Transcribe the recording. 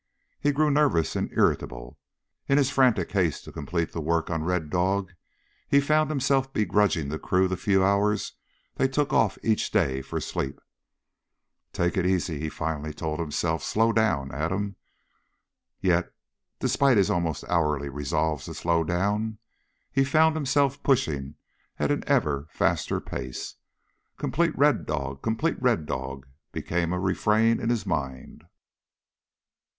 He grew nervous and irritable. In his frantic haste to complete the work on Red Dog he found himself begrudging the crew the few hours they took off each day for sleep. Take it easy, he finally told himself. Slow down, Adam. Yet despite his almost hourly resolves to slow down, he found himself pushing at an ever faster pace. Complete Red Dog ... complete Red Dog ... became a refrain in his mind.